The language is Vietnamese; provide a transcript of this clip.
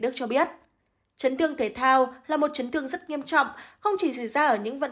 giới khác chấn thương thể thao là một chấn thương rất nghiêm trọng không chỉ xảy ra ở những vận